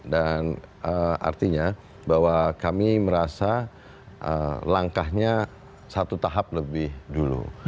dan artinya bahwa kami merasa langkahnya satu tahap lebih dulu